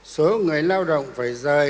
số người lao động phải rời